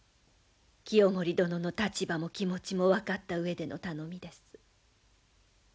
清盛殿の立場も気持ちも分かった上での頼みです。